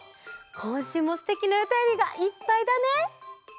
こんしゅうもすてきなおたよりがいっぱいだね。